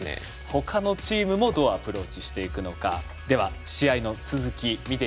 他のチームもどうアプローチしていくのかでは試合の続き見ていきましょう。